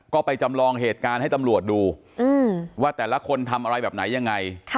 ก็ไปจำลองเหตุการณ์ให้ตำรวจดูว่าแต่ละคนทำอะไรแบบไหนยังไง